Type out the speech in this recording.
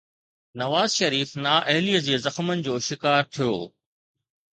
نواز شريف نااهليءَ جي زخمن جو شڪار ٿيو.